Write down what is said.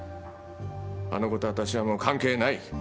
あの子と私はもう関係ない。